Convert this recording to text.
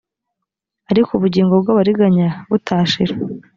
ariko ubugingo bw’abariganya butashira